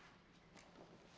gak ada apa apa